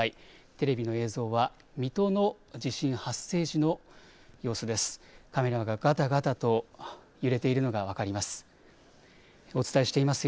テレビの映像は水戸の地震発生時の様子です。